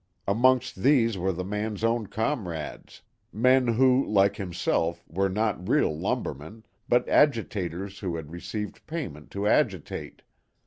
Amongst these were the man's own comrades, men who, like himself, were not real lumbermen, but agitators who had received payment to agitate.